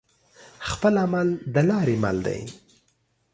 خپل عمل دلاری مل دی